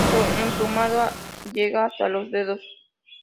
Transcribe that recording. Su emplumado llega hasta los dedos.